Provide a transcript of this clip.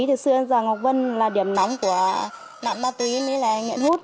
thì xưa giờ ngọc vân là điểm nóng của nạn ma túy mới lại nghiện hút